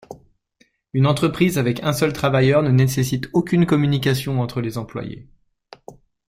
Une entreprise avec un seul travailleur ne nécessite aucune communication entre les employés.